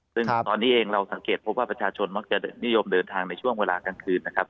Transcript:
ซึ่งตอนนี้เองเราสังเกตพบว่าประชาชนมักจะนิยมเดินทางในช่วงเวลากลางคืนนะครับ